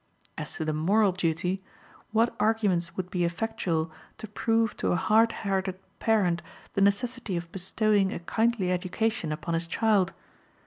As to the moral duty, what arguments would be effectual to prove to a hard hearted parent the necessity of bestowing a kindly education upon his child?